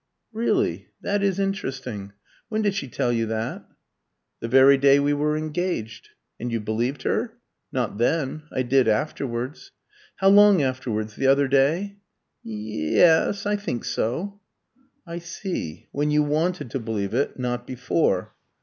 "Really? That is interesting. When did she tell you that?" "The very day we were engaged." "And you believed her?" "Not then. I did afterwards." "How long afterwards the other day?" "Ye yes; I think so." "I see when you wanted to believe it. Not before."